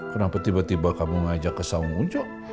kenapa tiba tiba kamu ngajak ke saung ujo